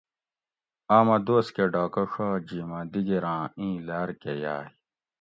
آمہ دوس کہۤ ڈاۤکہ ڛا جیمہ دیگیراں ایں لاۤرکہۤ یاۤئ